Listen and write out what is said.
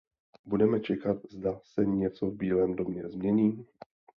Budeme čekat, zda se něco v Bílém domě změní?